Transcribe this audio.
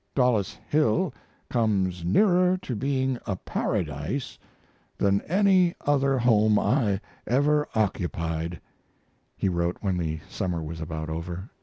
"Dollis Hill comes nearer to being a paradise than any other home I ever occupied," he wrote when the summer was about over.